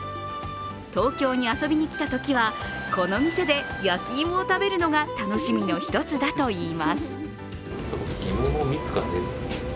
東京に遊びにきたときは、この店で焼き芋を食べるのが楽しみの１つだといいます。